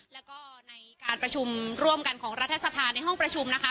แล้วก็ในการประชุมร่วมกันของรัฐสภาในห้องประชุมนะคะ